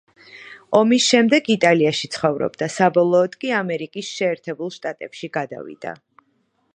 ომის შემდეგ იტალიაში ცხოვრობდა, საბოლოოდ კი ამერიკის შეერთებულ შტატებში გადავიდა.